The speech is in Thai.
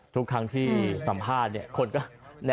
ทุกครั้งที่สัมภาษณ์